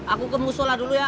aku kemu sholat dulu ya